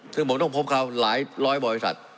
ซึ่งผมต้องพบเขาหลายร้อยบริษัท